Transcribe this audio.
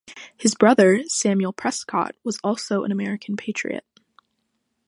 His brother Samuel Prescott was also an American patriot.